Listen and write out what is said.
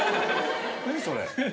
何それ。